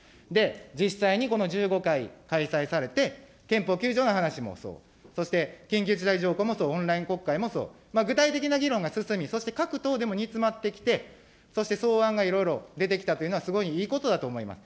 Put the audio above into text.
実際にこの１５回開催されて、憲法９条の話もそう、緊急事態もそう、緊急国会もそう、具体的な議論が進み、そして各党でも煮詰まってきてそして草案がいろいろ出てきたというのは、すごいいいことだと思います。